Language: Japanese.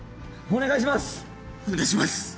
お願いします！